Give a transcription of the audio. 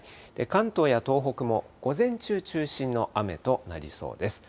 関東や東北も午前中中心の雨となりそうです。